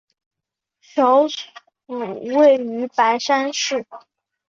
首府位于白山市。